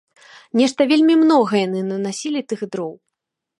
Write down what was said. Нешта вельмі многа яны нанасілі тых дроў.